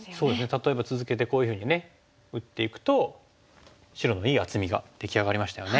例えば続けてこういうふうにね打っていくと白のいい厚みが出来上がりましたよね。